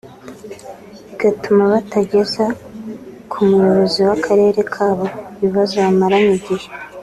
bigatuma batageza ku muyobozi w’akarere kabo ibibazo bamaranye igihe